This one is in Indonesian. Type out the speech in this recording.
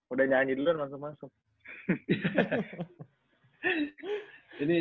udah nyanyi dulu kan masuk masuk